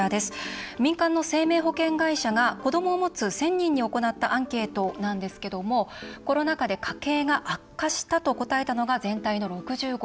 民間の生命保険会社が子どもを持つ１０００人に行ったアンケートなんですけどもコロナ禍で家計が悪化したと答えたのが全体の６５％。